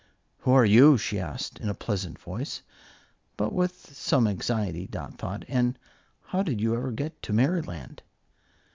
"Who are you?" she asked, in a pleasant voice, but with some anxiety, Dot thought; "and how did you ever get to Merryland?"